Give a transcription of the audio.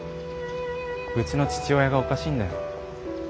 うちの父親がおかしいんだよ。